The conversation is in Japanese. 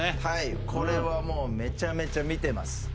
はいこれはもうめちゃめちゃ見てます